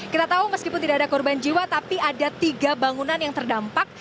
kita tahu meskipun tidak ada korban jiwa tapi ada tiga bangunan yang terdampak